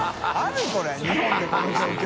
△襦海日本でこの状況。